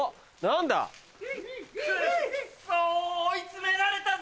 追い詰められたぜ！